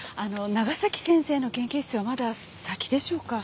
長崎先生の研究室はまだ先でしょうか？